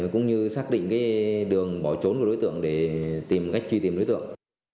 cũng như xác định đường bỏ trốn của đối tượng để tìm cách truy tìm đối tượng